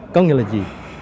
nó nghĩa là gì